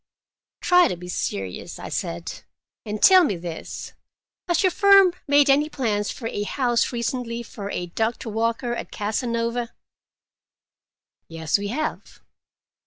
"Try to be serious," I said. "And tell me this: has your firm made any plans for a house recently, for a Doctor Walker, at Casanova?" "Yes, we have."